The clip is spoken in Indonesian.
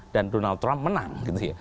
dan donald trump menang